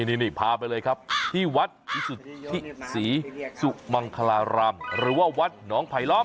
นี่พาไปเลยครับที่วัดพิสุทธิศรีสุมังคลารามหรือว่าวัดหนองไผลล้อม